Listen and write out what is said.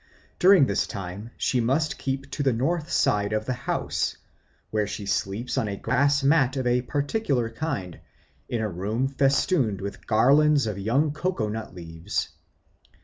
During this time she must keep to the north side of the house, where she sleeps on a grass mat of a particular kind, in a room festooned with garlands of young coco nut leaves.